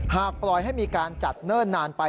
หากปล่อยให้มีการจัดเนิ่นนานไป